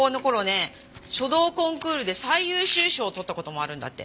書道コンクールで最優秀賞を取った事もあるんだって。